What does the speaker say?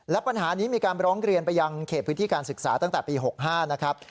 และปัญหานี้มีการร้องเรียนไปยังเขตพื้นที่การศึกษาตั้งแต่ปี๖๕นะครับ